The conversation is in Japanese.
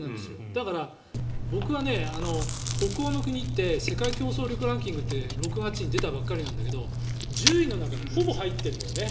だから、僕は北欧の国って世界競争力ランキングって６月に出たばっかりなんだけど１０位の中にほぼ入ってるんだよね。